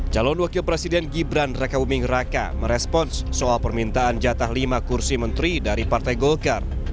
calon wakil presiden gibran raka buming raka merespons soal permintaan jatah lima kursi menteri dari partai golkar